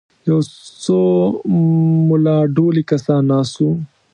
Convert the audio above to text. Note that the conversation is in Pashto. یو څو ملا ډولي کسان ناست وو.